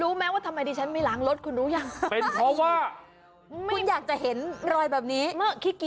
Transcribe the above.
โอ้โห้ยรถไม่ล้างเลยอ่ะคุณชิ